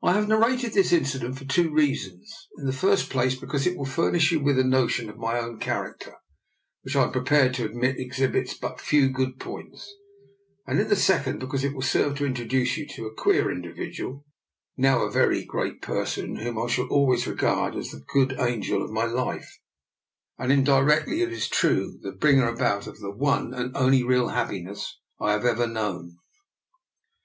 I have narrated this incident for two rea sons: in the first place because it will furnish you with a notion of my own character, which I am prepared to admit exhibits but few good points; and in the second because it will serve to introduce to you a queer individual, now a very great person, whom I shall always regard as the Good Angel of my life, and, indirectly, it is true, the bringer about of the one and only real happiness I have ever known.